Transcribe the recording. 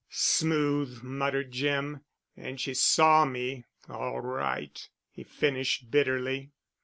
"Smooth!" muttered Jim. "And she saw me, all right," he finished bitterly.